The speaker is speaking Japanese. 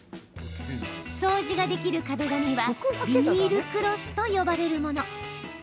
掃除ができる壁紙はビニールクロスと呼ばれるもの。